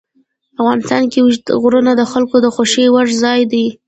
افغانستان کې اوږده غرونه د خلکو د خوښې وړ ځای دی.